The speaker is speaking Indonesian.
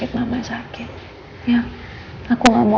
udah mau sampe